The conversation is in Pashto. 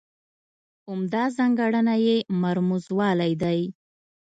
عمده ځانګړنه یې مرموزوالی دی.